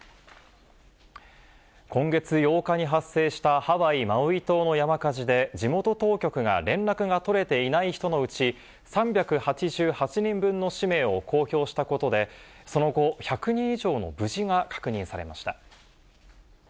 今月８日に発生したハワイ・マウイ島の山火事で、地元当局が連絡が取れていない人のうち、３８８人分の氏名を公表したことで、その後、１００人以上の無事が確認されました。